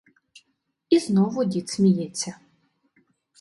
І знову дід сміється.